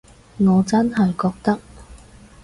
我真係覺得